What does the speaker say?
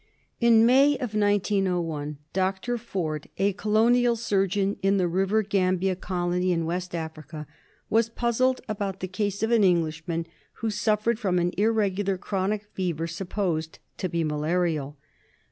In May, igor, Dr. Forde, a Colonial Surgeon in the River Gambia Colony in West Africa, was puzzled about the case of an Englishman who suffered from an irregular chronic fever, supposed to be malarial.